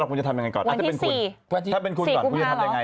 วันที่๔กูแพ้เหรอ